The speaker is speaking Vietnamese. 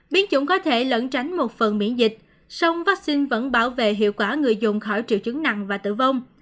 biến chủng có thể lẫn tránh một phần miễn dịch song vaccine vẫn bảo vệ hiệu quả người dùng khỏi triệu chứng nặng và tử vong